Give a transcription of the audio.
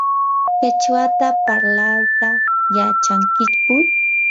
¿qichwata parlayta yachankiyku?